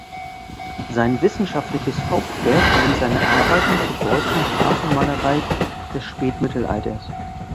Sein wissenschaftliches Hauptwerk sind seine Arbeiten zur deutschen Tafelmalerei des Spätmittelalters.